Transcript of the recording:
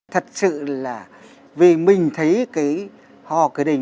thật sự là vì mình thấy cái hò cái đình